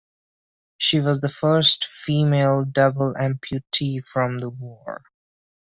She was the first female double amputee from the war.